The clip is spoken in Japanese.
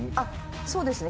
そうですね。